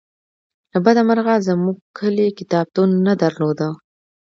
له بده مرغه زمونږ کلي کتابتون نه درلوده